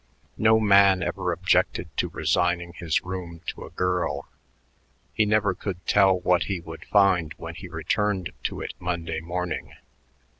No man ever objected to resigning his room to a girl. He never could tell what he would find when he returned to it Monday morning.